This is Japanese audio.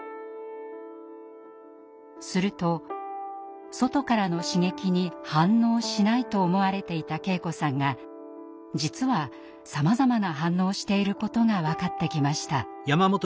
すると外からの刺激に「反応しない」と思われていた圭子さんが実はさまざまな反応をしていることが分かってきました。